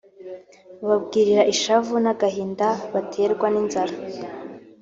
Bababwirira ishavu n’agahinda baterwa n’inzara